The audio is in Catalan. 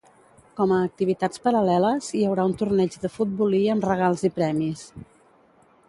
Com a activitats paral·leles hi haurà un torneig de futbolí amb regals i premis.